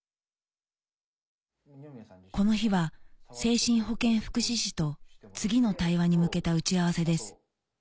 この日は精神保健福祉士と次の対話に向けた打ち合わせです